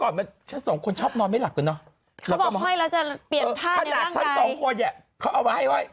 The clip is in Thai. ขนาดชั้นสองคนอ่ะเขาเอามาให้ไว้